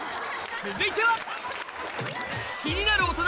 続いては！